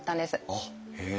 あっへえ。